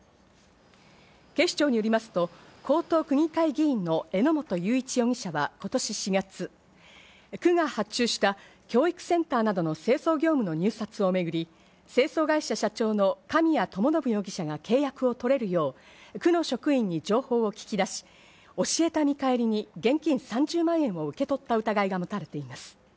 警視庁によりますと、江東区議会議員の榎本雄一容疑者は今年４月、区が発注した教育センターなどの清掃業務の入札をめぐり、清掃会社社長の神谷知伸容疑者が契約を取れるよう、区の職員に情報を聞き出し、教えた見返りに現金３０万円を受け取った疑いが持たれています。